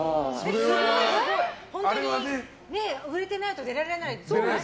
本当に売れてないと出られないやつだよね。